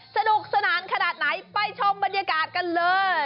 สนุกสนานขนาดไหนไปชมบรรยากาศกันเลย